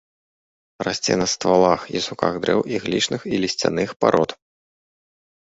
Расце на ствалах і суках дрэў іглічных і лісцяных парод.